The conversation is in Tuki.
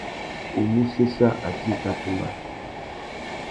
U mù séssa atê i tà tumba.